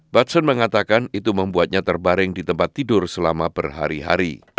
batson mengatakan itu membuatnya terbaring di tempat tidur selama berhari hari